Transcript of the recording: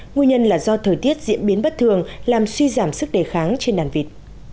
nguyên nhân là do thời tiết diễn biến bất thường làm suy giảm sức đề kháng trên đàn vịt